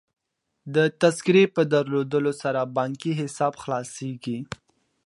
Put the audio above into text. د تذکرې په درلودلو سره بانکي حساب خلاصیږي.